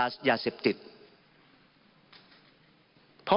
ผมรังเกียจที่สุดเกี่ยวกับเรื่องยาเสพติด